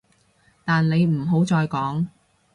但你唔好再講